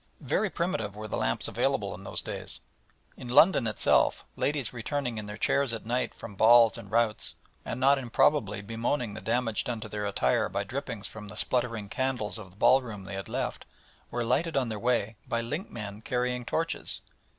Very primitive were the lamps available in those days. In London itself ladies returning in their chairs at night from balls and routs, and not improbably bemoaning the damage done to their attire by drippings from the spluttering candles of the ballroom they had left, were lighted on their way by linkmen carrying torches.